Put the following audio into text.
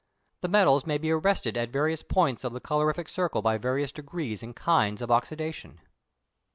The metals may be arrested at various points of the colorific circle by various degrees and kinds of oxydation.